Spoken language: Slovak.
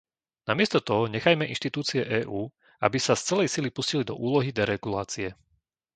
Namiesto toho nechajme inštitúcie EÚ, aby sa z celej sily pustili do úlohy deregulácie.